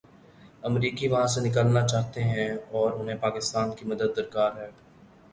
امریکی وہاں سے نکلنا چاہتے ہیں اور انہیں پاکستان کی مدد درکار ہے۔